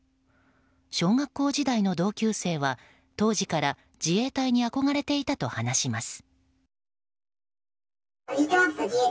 小学校時代の同級生は、当時から自衛隊に憧れていたと話します。